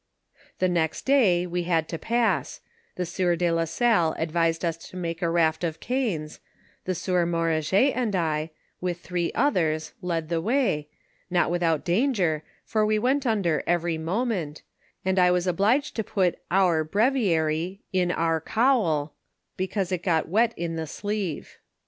The next day we had to pass; the sieur de la Salle advised us to make a raft of canes ; the sieur Moranget and I, with three othera, led the way, not without danger, for we went under every moment, and I was obliged to put ow breviary •n owr* cowl, because it got wet in the sleeve.